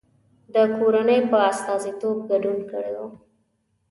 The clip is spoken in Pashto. د کورنۍ په استازیتوب ګډون کړی و.